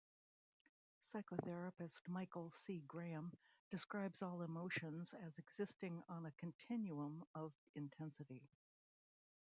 Psychotherapist Michael C. Graham describes all emotions as existing on a continuum of intensity.